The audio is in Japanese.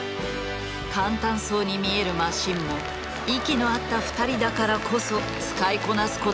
簡単そうに見えるマシンも息の合った２人だからこそ使いこなすことができたのだ。